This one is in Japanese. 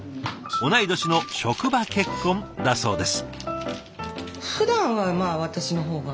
同い年の職場結婚だそうです。